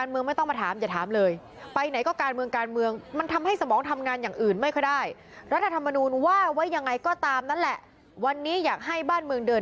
เร็วขึ้นกันเดิม